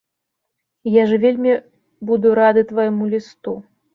Я ж вельмі буду рады твайму лісту.